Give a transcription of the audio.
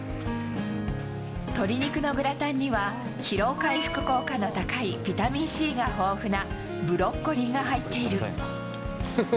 鶏肉のグラタンには、疲労回復効果の高いビタミンＣが豊富なブロッコリーが入っている。